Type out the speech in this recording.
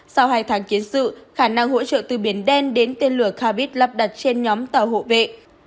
sau hai tháng kiến sự khả năng hỗ trợ từ biển đen đến tên lửa cabit lắp đặt trên nhóm tàu hộ vệ